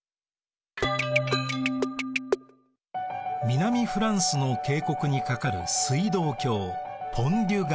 南フランスの渓谷に架かる水道橋